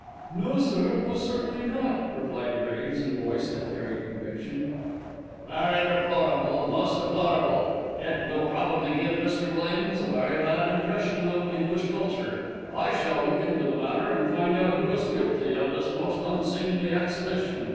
"No, sir, most certainly not," replied Graves, in a voice that carried conviction. "Very deplorable, most deplorable. It will probably give Mr. Williams a very bad impression of English culture. I shall look into the matter, and find out who was guilty of this most unseemly exhibition.